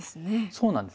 そうなんですよ。